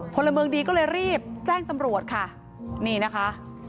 พลเมิงดีก็เลยรีบแจ้งตำรวจค่ะ